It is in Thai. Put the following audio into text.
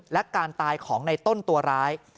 และการตายของในต้นตัวร้าย